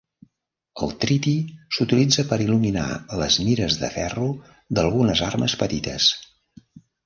El triti s'utilitza per il·luminar les mires de ferro d'algunes armes petites.